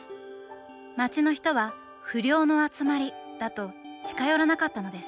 街の人は「不良の集まり」だと近寄らなかったのです。